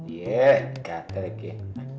iya gata kayak dia